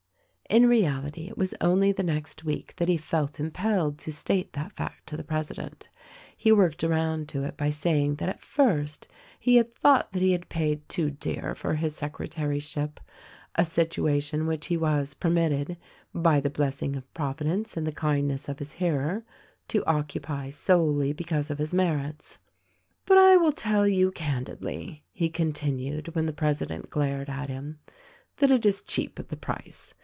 In reality it was only the next week that he felt im pelled to state that fact to the president. He worked around to it by saying that at first he had thought that he had paid too dear for his secretaryship — a situation which he was per mitted (by the blessing of Providence and the kindness of his hearer) to occupy solely because of his merits. "But I will tell you, candidly," he continued, when the president glared at him, "that it is cheap at the price.